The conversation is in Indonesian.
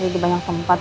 dia sudah berada dimana